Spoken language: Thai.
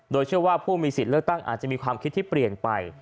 โดยเชื่อว่าผู้มีสิทธิ์เลือกตั้งอาจจะมีความคิดที่เปลี่ยนไป